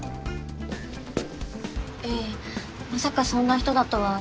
ええまさかそんな人だとは。